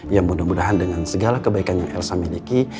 yang mudah mudahan dengan segala kebaikan yang elsa miliki